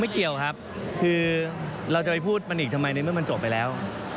เกี่ยวครับคือเราจะไปพูดมันอีกทำไมในเมื่อมันจบไปแล้ว